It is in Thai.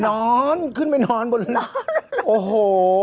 นอนขึ้นไปนอนบนนอนนอนโอ้โฮ